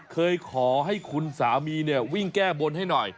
เคยขอให้คุณสามีเนี่ยวิ่งแก้บนให้หน่อย